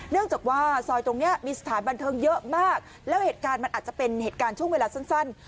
จากว่าซอยตรงนี้มีสถานบันเทิงเยอะมากแล้วเหตุการณ์มันอาจจะเป็นเหตุการณ์ช่วงเวลาสั้น